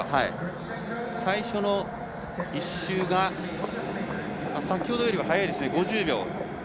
最初の１周が先ほどよりも速いですね。